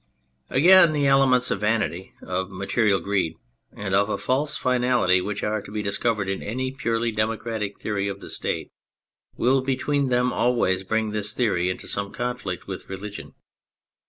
Again, the elements of vanity, of material greed, and of a false finality which are to be discovered in any purely democratic theory of the State, will between them always bring this theory into some conflict with religion.